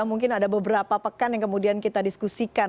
mungkin ada beberapa pekan yang kemudian kita diskusikan